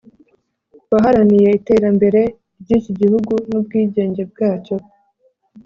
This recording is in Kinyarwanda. waharaniye iterambere ry’iki gihugu n’ubwigenge bwacyo